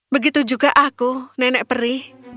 begitu juga aku nenek peri